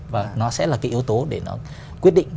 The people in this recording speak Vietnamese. và nó sẽ là cái yếu tố để nó quyết định